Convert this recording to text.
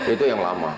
itu yang lama